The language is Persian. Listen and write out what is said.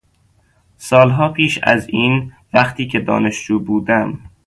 سالها پیش از این، وقتی که دانشجو بودم